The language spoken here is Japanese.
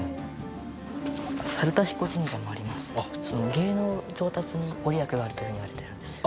芸能の上達にご利益があるという風にいわれてるんですよ。